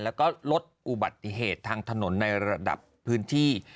แล้วก็ลดอุบัติเหตุทางถนนในระดับพื้นที่